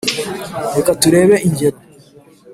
Reka turebe ingero